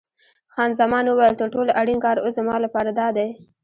خان زمان وویل: تر ټولو اړین کار اوس زما لپاره دادی.